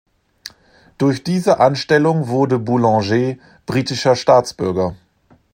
Durch diese Anstellung wurde Boulenger britischer Staatsbürger.